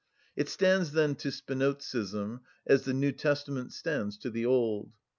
It stands, then, to Spinozism as the New Testament stands to the Old.